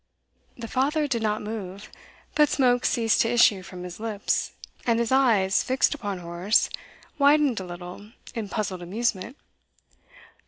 The father did not move, but smoke ceased to issue from his lips, and his eyes, fixed upon Horace, widened a little in puzzled amusement.